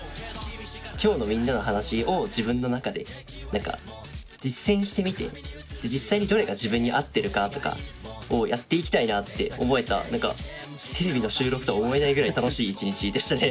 今日のみんなの話を自分の中で実践してみて実際にどれが自分に合ってるかとかをやっていきたいなって思えたテレビの収録とは思えないぐらい楽しい１日でしたね。